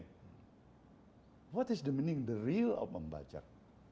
apa artinya apa artinya membajak